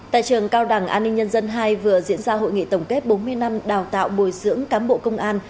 tại trường cao đảng an ninh nhân dân hai vừa diễn ra hội nghị tổng kết bốn mươi năm đào tạo bồi dưỡng cán bộ công an